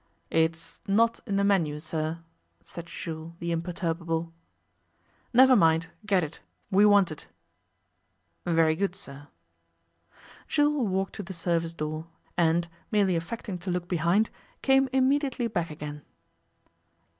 'It's not in the menu, sir,' said Jules the imperturbable. 'Never mind. Get it. We want it.' 'Very good, sir.' Jules walked to the service door, and, merely affecting to look behind, came immediately back again.